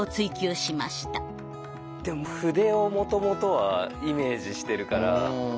でも筆をもともとはイメージしてるから。